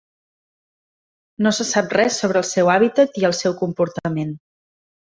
No se sap res sobre el seu hàbitat i el seu comportament.